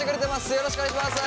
よろしくお願いします。